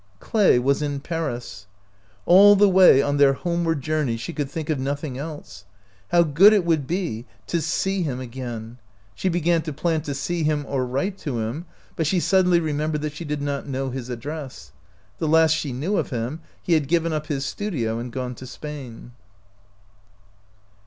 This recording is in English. Clay was in Paris! All the way on their homeward journey she could think of noth ing else. How good it would be to see him 79 OUT OF BOHEMIA again! She began to plan to see him or write to him ; but she suddenly remembered that she did not know his address. The last she knew of him he had given up his studio and gone to Spain.